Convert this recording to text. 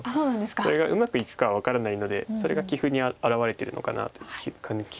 それがうまくいくかは分からないのでそれが棋風に表れてるのかなという気がします。